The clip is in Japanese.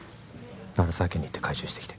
鳴沢家に行って回収してきて